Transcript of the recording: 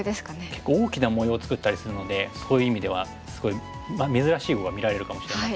結構大きな模様を作ったりするのでそういう意味ではすごい珍しい碁が見られるかもしれませんし。